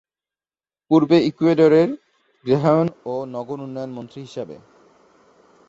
পূর্বে ইকুয়েডরের গৃহায়ন ও নগর উন্নয়ন মন্ত্রী হিসাবে।